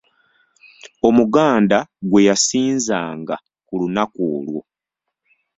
Omuganda gwe yasinzanga ku lunaku olwo.